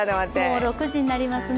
もう６時になりますね。